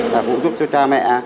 là phụ giúp cho cha mẹ